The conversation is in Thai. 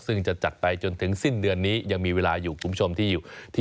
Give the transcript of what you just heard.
ซึ่งจะจัดไปจนถึงสิ้นเดือนนี้ยังมีเวลาอยู่คุณผู้ชมที่อยู่ที่จังหวัดพิศนุโลก